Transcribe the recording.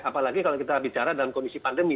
apalagi kalau kita bicara dalam kondisi pandemi